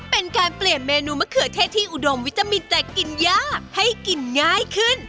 เป็นการเปลี่ยนเมนูมะเขือเทศที่อุดมวิตามินแต่กินยากให้กินง่ายขึ้น